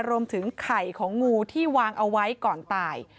รวมถึงไข่ของงูที่วางเอาไว้ก่อนตาย